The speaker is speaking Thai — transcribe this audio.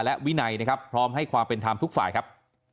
และวินัยนะครับพร้อมให้ความเป็นธรรมทุกฝ่ายครับ